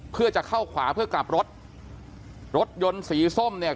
เพื่อจะเข้าขวาเพื่อกลับรถรถยนต์สีส้มเนี่ย